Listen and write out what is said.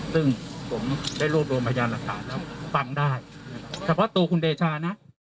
ซึ่งผมได้รวบรวมพยานหลักฐานแล้วฟังได้เฉพาะตัวคุณเดชานะ